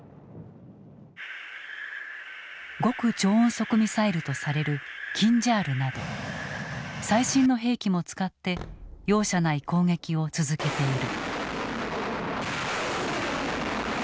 極超音速ミサイルとされるキンジャールなど最新の兵器も使って容赦ない攻撃を続けている。